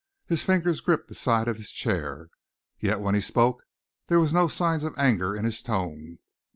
His fingers gripped the side of his chair. Yet when he spoke there were no signs of anger in his tone.